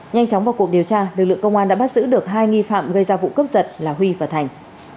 nhanh chóng vào cuộc điều tra lực lượng công an đã bắt giữ được hai nghi phạm gây ra vụ cướp giật là huy và thành